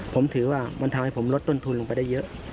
ผมถือว่ามันทำให้ผมลดต้นทุนลงไปได้เยอะ